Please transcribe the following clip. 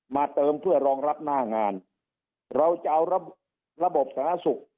เติมเพื่อรองรับหน้างานเราจะเอาระบบสาธารณสุข